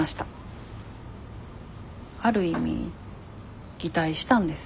ある意味擬態したんです。